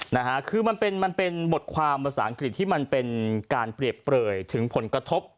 นะฮะคือมันเป็นมันเป็นบทความภาษาอังกฤษที่มันเป็นการเปรียบเปลยถึงผลกระทบ